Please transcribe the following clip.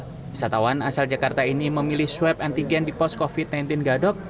wisatawan asal jakarta ini memilih swab antigen di pos covid sembilan belas gadok